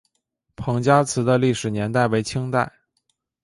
彭家祠的历史年代为清代。